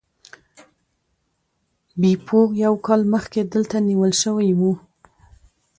بیپو یو کال مخکې دلته نیول شوی و.